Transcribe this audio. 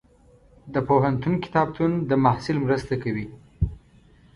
د پوهنتون کتابتون د محصل مرسته کوي.